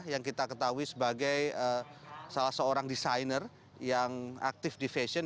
yang kita ketahui sebagai salah seorang desainer yang aktif di fashion